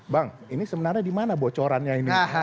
bang ini sebenarnya di mana bocorannya ini